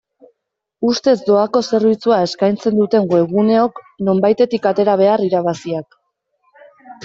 Ustez doako zerbitzua eskaitzen duten webguneok nonbaitetik atera behar irabaziak.